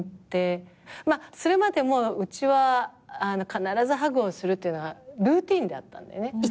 それまでもうちは必ずハグをするっていうのはルーティンであったんだよね。